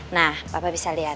nah bapak bisa lihat